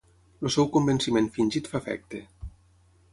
El seu convenciment fingit fa efecte.